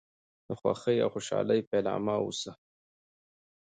د خوښۍ او خوشحالی پيلامه اوسي .